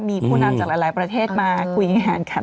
จากอัลหลายประเทศมาคุยงานกันเลย